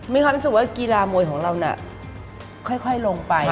มีความรู้สึกว่ากีฬามวยของเราน่ะค่อยลงไป